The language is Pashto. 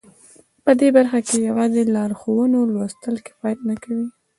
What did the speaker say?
په دې برخه کې یوازې د لارښوونو لوستل کفایت نه کوي